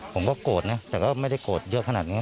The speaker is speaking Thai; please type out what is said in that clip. ผมก็โกรธนะแต่ก็ไม่ได้โกรธเยอะขนาดนี้